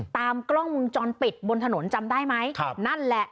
ตามกล้องวงจรปิดบนถนนจำได้ไหมครับนั่นแหละ